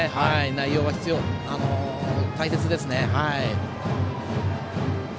内容は大切ですね。